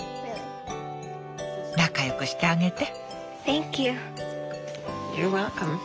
仲良くしてあげて。